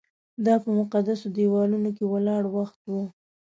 دا په مقدسو دیوالونو کې ولاړ وخت و.